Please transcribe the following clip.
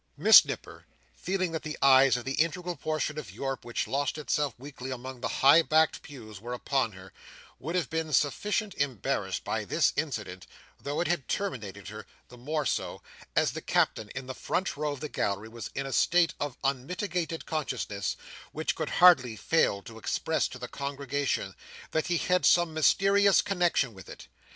Miss Nipper, feeling that the eyes of that integral portion of Europe which lost itself weekly among the high backed pews, were upon her, would have been sufficient embarrassed by this incident, though it had terminated here; the more so, as the Captain in the front row of the gallery, was in a state of unmitigated consciousness which could hardly fail to express to the congregation that he had some mysterious connection with it.